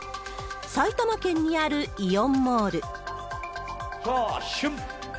埼玉県にあるイオンモール。